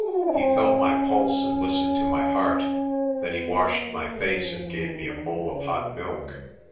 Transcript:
He felt my pulse and listened to my heart. Then he washed my face and gave me a bowl of hot milk.